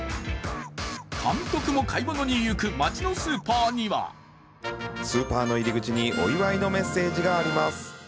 監督も買い物に行く町のスーパーにはスーパーの入り口に、お祝いのメッセージがあります。